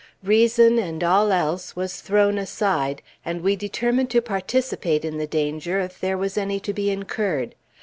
Reason, and all else, was thrown aside, and we determined to participate in the danger, if there was any to be incurred.